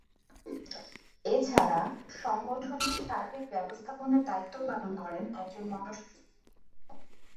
এছাড়া, সংগঠনটির সার্বিক ব্যবস্থাপনার দায়িত্ব পালন করেন একজন মহাসচিব।